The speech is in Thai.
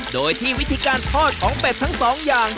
โดยที่วิธีการทอดของเป็ดทั้งสองอย่าง